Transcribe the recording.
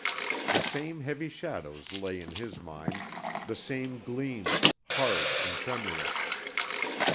The same heavy shadows lay in his mind, the same gleams, hard and tremulous.